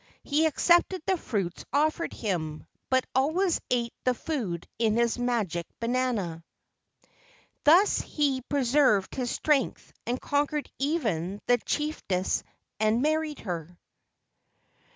He accepted the fruits offered him, but always ate the food in his magic banana. Thus he pre¬ served his strength and conquered even the chief¬ ess and married her.